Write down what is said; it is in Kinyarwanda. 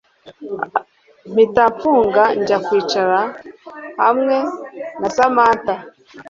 mpita mfunga njya kwicara hamwe na samantha